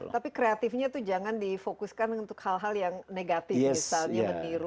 tapi kreatifnya itu jangan difokuskan untuk hal hal yang negatif misalnya meniru